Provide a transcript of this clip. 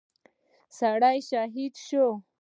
سړى شهيد شو.